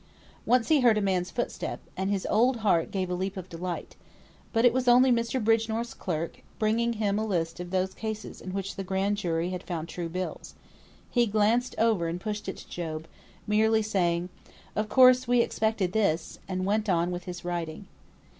Once he heard a man's footstep, and his old heart gave a leap of delight. But it was only Mr. Bridgenorth's clerk, bringing him a list of those cases in which the grand jury had found true bills. He glanced it over and pushed it to Job, merely saying, "Of course we expected this," and went on with his writing.